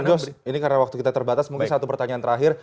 mas jos ini karena waktu kita terbatas mungkin satu pertanyaan terakhir